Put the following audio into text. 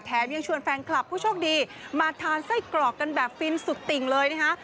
ยังชวนแฟนคลับผู้โชคดีมาทานไส้กรอกกันแบบฟินสุดติ่งเลยนะคะ